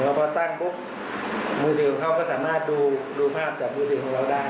เหมือนก็ถ้าตั้งปุ๊บมือถือเขาก็สามารถดูภาพจากมือถือของเราได้